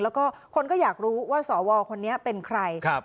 แล้วก็คนก็อยากรู้ว่าสวคนนี้เป็นใคร